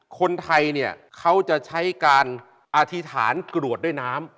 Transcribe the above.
คนไทยเนี่ยเขาจะใช้การอธิษฐานกรวดด้วยน้ำ